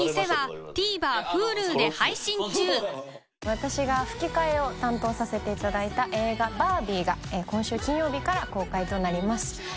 私が吹き替えを担当させていただいた撚「バービー」が今週金曜日から公開となります。